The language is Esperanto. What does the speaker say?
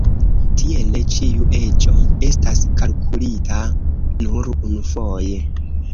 Tiele, ĉiu eĝo estas kalkulita nur unufoje.